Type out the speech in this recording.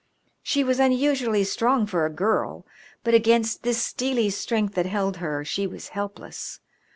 She was unusually strong for a girl, but against this steely strength that held her she was helpless.